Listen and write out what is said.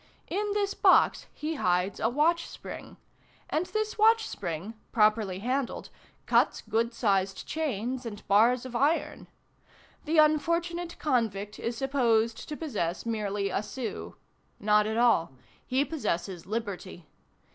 In this box he hides a watch spring, and this watch spring, properly handled, cuts good sized chains and bars of iron. The unfortunate convict is supposed to possess merely a sou; not at all, he possesses liberty.